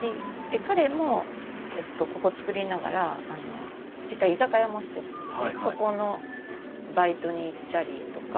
で彼もえっとここ造りながらあの実家居酒屋もしてたんでそこのバイトに行ったりとか。